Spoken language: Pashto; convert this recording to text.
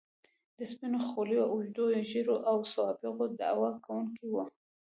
د سپینو خولیو، اوږدو ږیرو او سوابقو دعوه کوونکي وو.